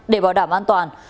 để bảo đảm an toàn